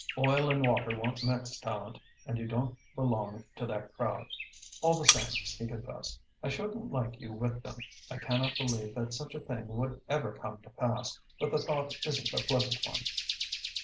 "Oil and water won't mix, Tallente, and you don't belong to that crowd. All the same," he confessed, "I shouldn't like you with them. I cannot believe that such a thing would ever come to pass, but the thought isn't a pleasant one."